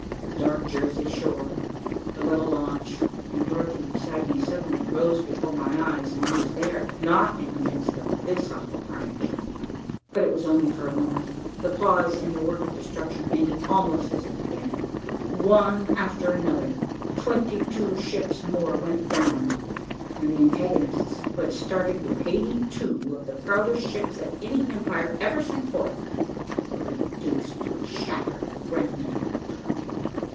The dark Jersey shore, the little launch, and Dorothy beside me suddenly rose before my eyes, and I was there, and not in the midst of this awful carnage. But it was only for a moment. The pause in the work of destruction ended almost as it began. One after another, twenty two ships more went down, and the antagonists, who had started with eighty two of the proudest ships that any empire ever sent forth, were reduced to a shattered remnant of twenty.